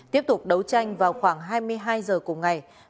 tiếp tục đấu tranh vào khoảng hai mươi hai giờ cùng ngày